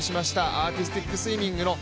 アーティスティックスイミングの